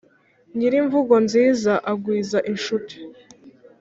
Nyir’imvugo nziza agwiza incuti,